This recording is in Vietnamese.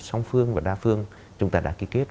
song phương và đa phương chúng ta đã ký kết